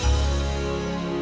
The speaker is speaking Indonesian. yang tersenyum untuk deste